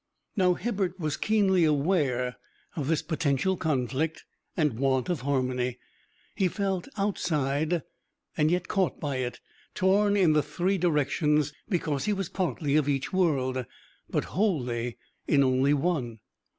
Now Hibbert was keenly aware of this potential conflict and want of harmony; he felt outside, yet caught by it torn in the three directions because he was partly of each world, but wholly in only one.